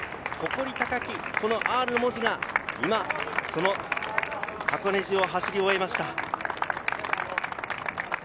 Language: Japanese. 誇り高きＲの文字が箱根路を走り終えました。